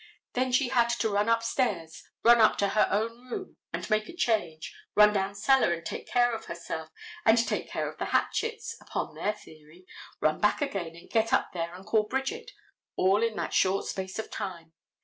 Then she had to run upstairs, run up to her own room and make a change, run down cellar and take care of herself, and take care of the hatchets, upon their theory, run back again and get up there and call Bridget—all in that short space of time.